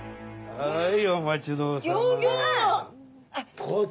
はい。